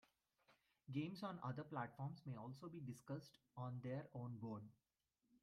Games on other platforms may also be discussed on their own board.